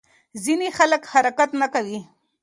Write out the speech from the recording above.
ځینې خلک حرکت نه کوي.